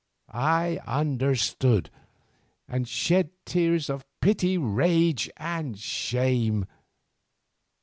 I understood and shed tears of pity, rage, and shame.